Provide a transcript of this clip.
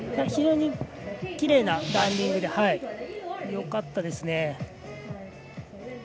非常にきれいなランディングでよかったですね。